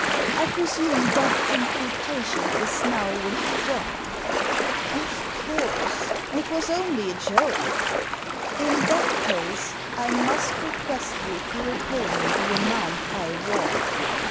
I presume that imputation is now with drawn !'*" Of course. It was only a joke." " In that case I must request you to repay me the amount I won